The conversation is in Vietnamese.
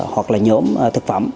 hoặc là nhóm thực phẩm